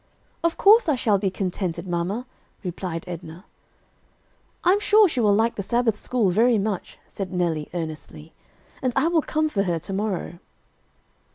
"Of course, I shall be contented mamma," replied Edna. "I'm sure she will like the Sabbath school very much," said Nellie, earnestly, "and I will come for her to morrow."